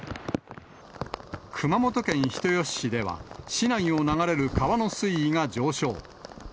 熊本県人吉市では、市内を流れる川の水位が上昇。